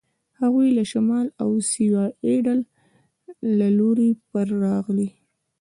هغوی له شمال او د سیوایډل له لوري پر راغلي.